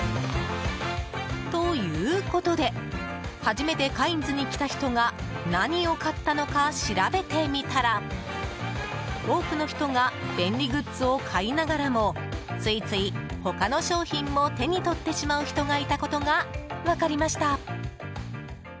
ということで初めてカインズに来た人が何を買ったのか調べてみたら多くの人が便利グッズを買いながらもついつい他の商品も手に取ってしまう人がいたことが分かりました。